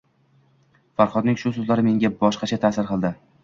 Farhodning shu so`zlari menga boshqacha ta`sir qildi